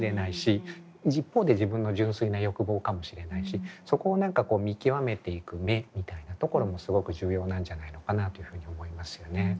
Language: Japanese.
一方で自分の純粋な欲望かもしれないしそこを何か見極めていく目みたいなところもすごく重要なんじゃないのかなというふうに思いますよね。